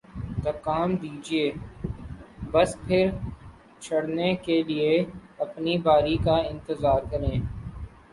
دھکا م دیجئے، بس پر چڑھنے کے لئے اپنی باری کا انتظار کریں